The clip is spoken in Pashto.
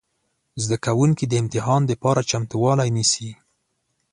زده کوونکي د امتحان لپاره چمتووالی نیسي.